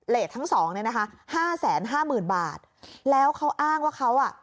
ทั้งสองเนี่ยนะคะห้าแสนห้าหมื่นบาทแล้วเขาอ้างว่าเขาอ่ะ